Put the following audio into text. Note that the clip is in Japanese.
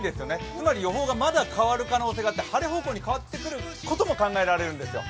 つまり予報がまだ変わる可能性があって晴れ方向に変わる可能性も考えられるんですよ。